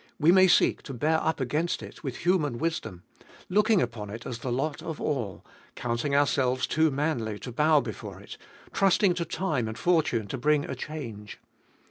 We may seek to bear up against it with human wisdom ; looking upon it as the lot of all, counting ourselves too manly to bow before it, trusting to time and fortune to bring a change.